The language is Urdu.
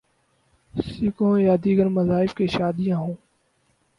سکھوں یا دیگر مذاہب کی شادیاں ہوں۔